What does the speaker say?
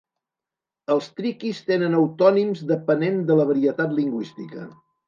Els triquis tenen autònims depenent de la varietat lingüística.